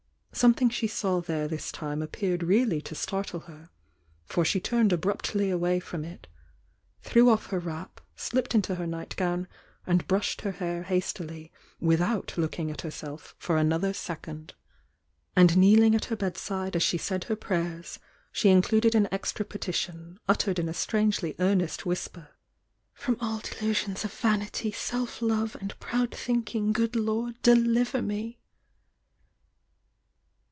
Something she saw there this time appeared really to startle her, for she turned abruptly away from it, threw off her wrap, slipped into her night gown, and brushed her hair hastily without looking at herself for another second. And kneeling at her bedside as she said her prayers she included an extra petition, uttered in a strangely earnest whisper: THE YOLNG DIANA 208 "From all delusions of vanity, self love and proud thinking, good Lord, deliver me!"